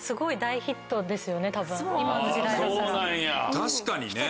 確かにね。